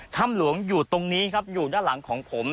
ถ้ำหลวงอยู่ตรงนี้ครับอยู่ด้านหลังของผม